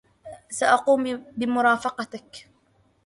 سأقوم بمرافقتك.